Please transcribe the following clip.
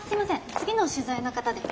次の取材の方で。